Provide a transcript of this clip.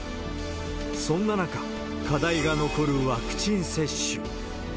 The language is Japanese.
そんな中、課題が残るワクチン接種。